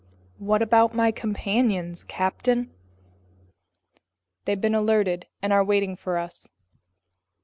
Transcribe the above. "What about my companions, captain?" "They've been alerted and are waiting for us."